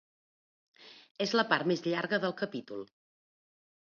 És la part més llarga del capítol.